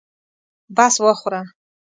بس وخوره.